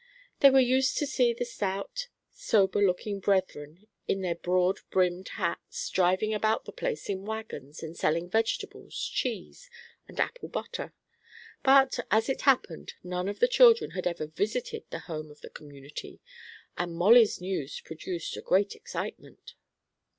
They were used to see the stout, sober looking brethren in their broad brimmed hats, driving about the place in wagons and selling vegetables, cheese, and apple butter. But, as it happened, none of the children had ever visited the home of the community, and Molly's news produced a great excitement.